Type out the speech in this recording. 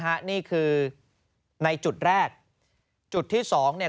พื้นที่นะฮะนี่คือในจุดแรกจุดที่สองเนี่ย